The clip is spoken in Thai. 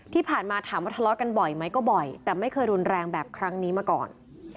ที่ผ่านมาถามว่าทะเลาะกันบ่อยไหมก็บ่อยแต่ไม่เคยรุนแรงแบบครั้งนี้มาก่อน